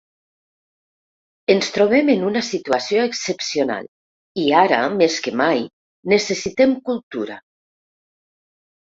Ens trobem en una situació excepcional i ara, més que mai, necessitem cultura.